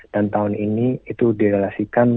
dan tahun ini itu direalisasikan